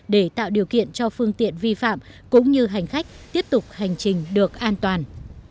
để tạo điều kiện cho phương tiện vi phạm cũng như hành khách tiếp tục hành trình được an toàn